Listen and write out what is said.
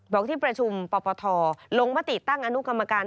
บอกที่ประชุมปปทลงมติตั้งอนุกรรมการ